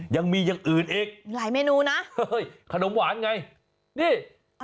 ยังมีอย่างอื่นเองขนมหวานไงหลายเมนูนะ